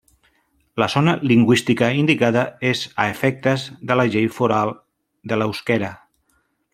La zona lingüística indicada és a efectes de la Llei Foral de l'eusquera.